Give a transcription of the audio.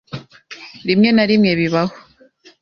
Rimwe na rimwe bibaho